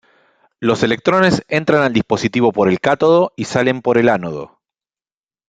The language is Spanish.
Los electrones entran al dispositivo por el cátodo y salen por el ánodo.